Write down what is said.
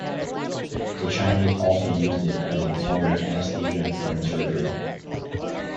The Chinese also used it as a form of anesthesia during surgery.